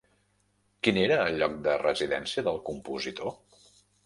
Quin era el lloc de residència del compositor?